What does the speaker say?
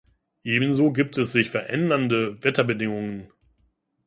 Ebenso gibt es sich verändernde Wetterbedingungen.